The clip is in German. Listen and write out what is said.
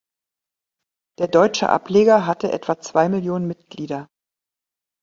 Der deutsche Ableger hatte etwa zwei Millionen Mitglieder.